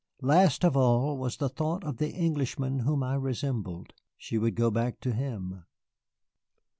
Last of all was the thought of the Englishman whom I resembled. She would go back to him.